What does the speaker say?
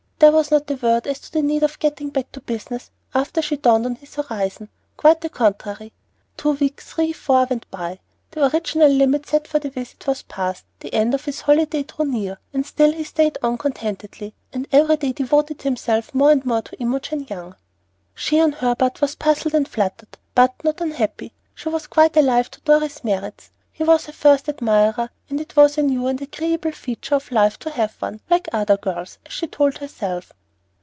There was not a word as to the need of getting back to business after she dawned on his horizon. Quite the contrary. Two weeks, three, four went by; the original limit set for the visit was passed, the end of his holiday drew near, and still he stayed on contentedly, and every day devoted himself more and more to Imogen Young. She, on her part, was puzzled and fluttered, but not unhappy. She was quite alive to Dorry's merits; he was her first admirer, and it was a new and agreeable feature of life to have one, "like other girls," as she told herself.